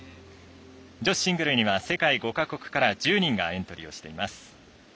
女子シングルには世界５か国から１０人がエントリーしています。